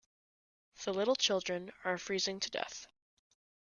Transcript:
The little children are freezing to death.